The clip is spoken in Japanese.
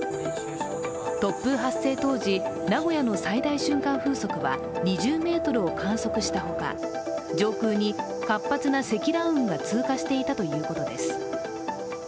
突風発生当時、名古屋の最大瞬間風速は２０メートルを観測したほか、上空に活発な積乱雲が通過していたということです。